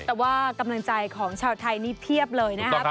แต่ว่ากำลังใจของชาวไทยนี่เพียบเลยนะครับ